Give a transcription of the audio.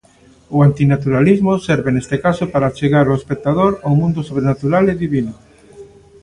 O antinaturalismo serve neste caso para achegar o espectador ao mundo sobrenatural e divino.